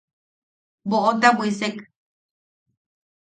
Boʼota bwisek.